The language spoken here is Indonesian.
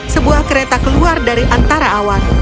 sebuah kereta keluar dari antara awan